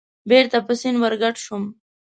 بېرته په سیند ورګډ شوم.